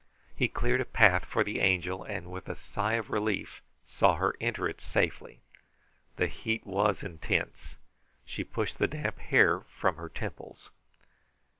He cleared a path for the Angel, and with a sigh of relief saw her enter it safely. The heat was intense. She pushed the damp hair from her temples.